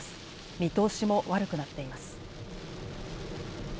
見通しも悪くなっています。